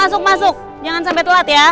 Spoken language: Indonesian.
masuk masuk jangan sampai telat ya